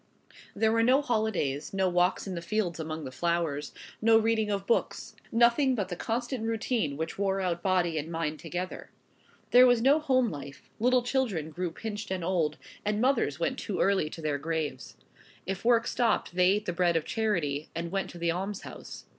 There were no holidays, no walks in the fields among the flowers, no reading of books, nothing but the constant routine which wore out body and mind together. There was no home life; little children grew pinched and old; and mothers went too early to their graves. If work stopped, they ate the bread of charity, and went to the almshouse.